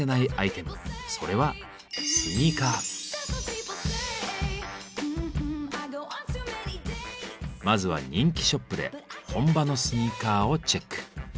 それはまずは人気ショップで本場のスニーカーをチェック。